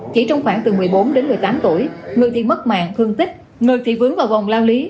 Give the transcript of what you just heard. chỉ trong khoảng từ một mươi bốn đến một mươi tám tuổi người thì mất mạng thương tích người thì vướng vào vòng lao lý